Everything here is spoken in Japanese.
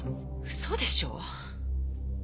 嘘でしょ？